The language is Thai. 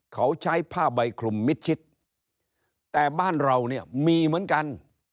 เขาใช้ผ้าใบคลุมมิดชิดแต่บ้านเราเนี่ยมีเหมือนกัน